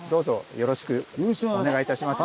よろしくお願いします。